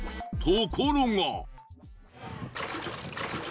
ところが。